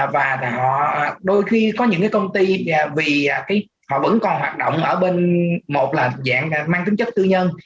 và đôi khi có những công ty vì họ vẫn còn hoạt động ở bên một là dạng mang tính chất tư nhân